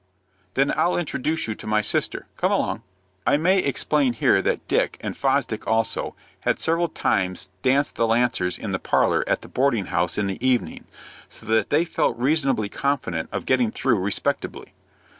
"Then I'll introduce you to my sister. Come along." I may explain here that Dick, and Fosdick also, had several times danced the Lancers in the parlor at the boarding house in the evening, so that they felt reasonably confident of getting through respectably.